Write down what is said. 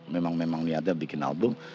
memang memang niatnya bikin album